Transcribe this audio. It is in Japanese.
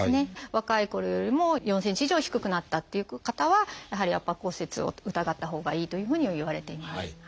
若いころよりも４ｃｍ以上低くなったっていう方はやはり圧迫骨折を疑ったほうがいいというふうにはいわれています。